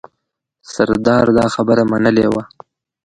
سردار خبره منلې وه.